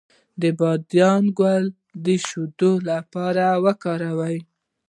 د بادیان ګل د شیدو لپاره وکاروئ